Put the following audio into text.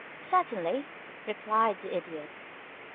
"Certainly," replied the Idiot.